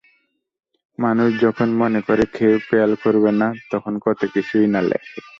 মানুষ যখন মনে করে কেউ খেয়াল করবে না তখন কত কিছুই না লেখে।